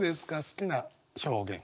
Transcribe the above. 好きな表現。